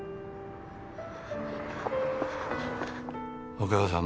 お母さん